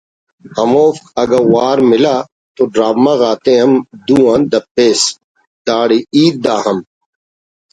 ہموفک اگہ وار ملا تو ڈرامہ غاتے ہم دو آن دپسہ داڑے ہیت دا ہم